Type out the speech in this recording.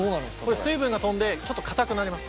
これ水分が飛んでちょっとかたくなります。